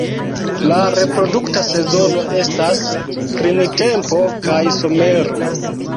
La reprodukta sezono estas printempo kaj somero.